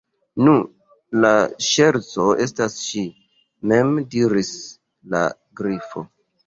"Nu, la ŝerco estas ŝi_ mem," diris la Grifo.